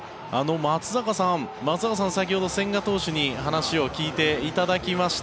松坂さん、先ほど千賀投手に話を聞いていただきました。